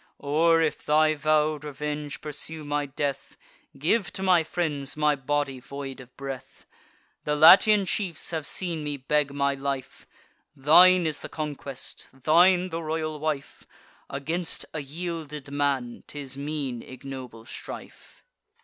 Or, if thy vow'd revenge pursue my death, Give to my friends my body void of breath! The Latian chiefs have seen me beg my life; Thine is the conquest, thine the royal wife: Against a yielded man, 'tis mean ignoble strife."